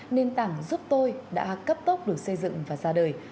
nền tảng giúp tôi đã cấp tốc được xây dựng và ra đời